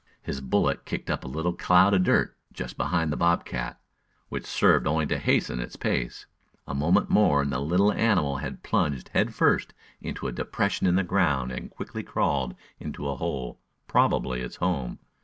His bullet kicked up a little cloud of dirt just behind the bob cat, which served only to hasten its pace. A moment more and the little animal had plunged head first into a depression in the ground and quickly crawled into a hole, probably its home.